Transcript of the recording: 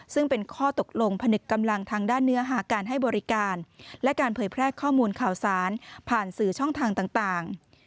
ซึ่งเป็นข้อตกลงพนึกกำลังทางด้านเนื้อหาการให้บริการและการเผยแพร่ข้อมูลข่าวสารผ่านสื่อช่องทางต่าง